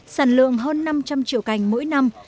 sản lượng hơn năm trăm linh triệu cành mỗi năm